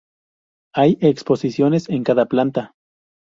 Hay exposiciones en cada planta.